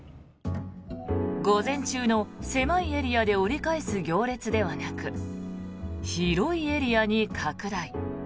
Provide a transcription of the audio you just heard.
午前中の狭いエリアで折り返す行列ではなく広いエリアに拡大。